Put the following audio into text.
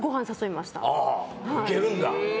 いけるんだ。